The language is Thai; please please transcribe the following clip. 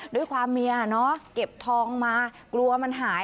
ด้วยความเมียเนอะเก็บทองมากลัวมันหาย